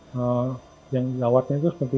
tapi yang lawatnya itu sebetulnya tidak